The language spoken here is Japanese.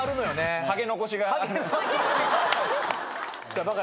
ハゲ残し。